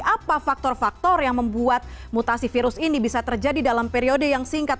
apa faktor faktor yang membuat mutasi virus ini bisa terjadi dalam periode yang singkat